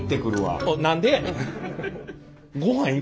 お何でやねん。